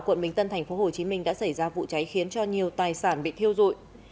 quận bình tân tp hcm đã xảy ra vụ cháy khiến cho nhiều tài sản bị thiêu dụi